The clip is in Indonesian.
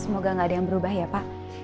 semoga gak ada yang berubah ya pak